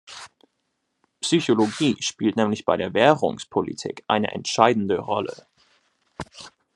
Psychologie spielt nämlich bei der Währungspolitik eine entscheidende Rolle.